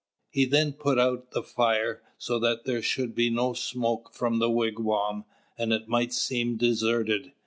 He then put out the fire, so that there should be no smoke from the wigwam, and it might seem deserted.